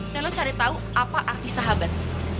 dan lo cari tahu apa arti sahabat